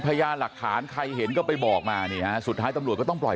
พยานหลักฐานใครเห็นก็ไปบอกมานี่ฮะสุดท้ายตำรวจก็ต้องปล่อย